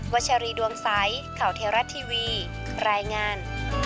วัชรีดวงไซค์เข่าเทราะทีวีรายงาน